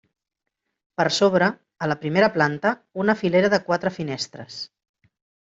Per sobre, a la primera planta, una filera de quatre finestres.